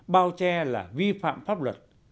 bao che là vi phạm pháp luật